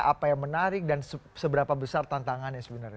apa yang menarik dan seberapa besar tantangannya sebenarnya